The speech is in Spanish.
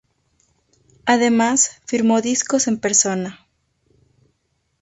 Además, firmó discos en persona.